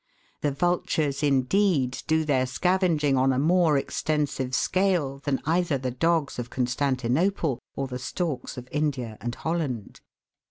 The vultures, indeed, do their scavenging on a more extensive scale than either the dogs of Constantinople or the storks of India and Holland.